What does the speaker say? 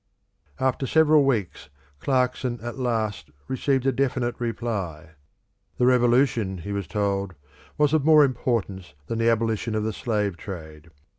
After several weeks Clarkson at last received a definite reply. The Revolution, he was told, was of more importance than the abolition of the slave trade.